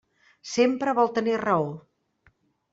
Sempre vol tenir raó.